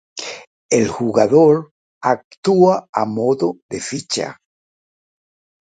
El jugador actúa a modo de ficha.